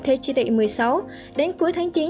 theo tri tị một mươi sáu đến cuối tháng chín